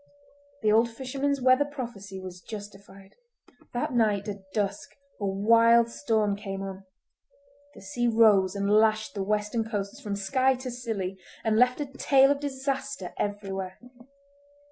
The old fisherman's weather prophecy was justified. That night at dusk a wild storm came on. The sea rose and lashed the western coasts from Skye to Scilly and left a tale of disaster everywhere.